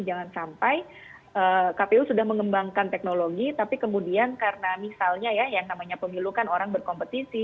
jangan sampai kpu sudah mengembangkan teknologi tapi kemudian karena misalnya ya yang namanya pemilu kan orang berkompetisi